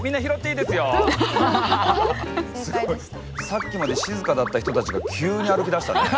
さっきまで静かだった人たちが急に歩きだしたね。